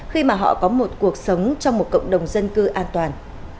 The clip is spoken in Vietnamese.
khi mà họ có một cuộc sống trong một cộng đồng dân cư an toàn